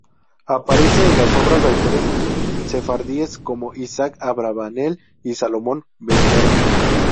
Aparece en las obras de autores sefardíes como Isaac Abravanel y Salomón ben Verga.